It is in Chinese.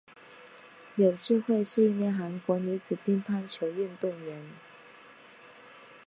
柳智惠是一名韩国女子乒乓球运动员。